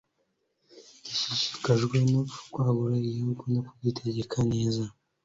gishishikajwe no kwagura igihugu no kugitegeka neza.